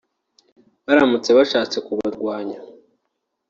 baramutse bashatse kubarwanya